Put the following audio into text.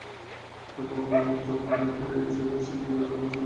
তারপর পড়ন্ত দুপুরে হেঁটে নিজের শৈশবের স্মৃতিচিহ্নগুলো খুঁজতে বের হলেন যোগেন চৌধুরী।